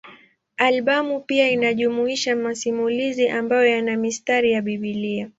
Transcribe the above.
Albamu pia inajumuisha masimulizi ambayo yana mistari ya Biblia.